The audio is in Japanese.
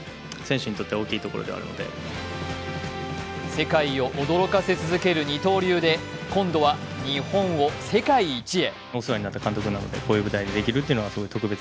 世界を驚かせ続ける二刀流で今度は日本を世界一へ。